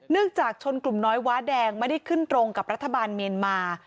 จากชนกลุ่มน้อยว้าแดงไม่ได้ขึ้นตรงกับรัฐบาลเมียนมา